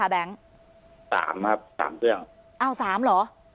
แบงค์อ้าวสามเหรอ